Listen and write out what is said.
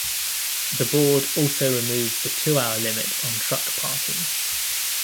The Board also removed the two-hour limit on truck parking.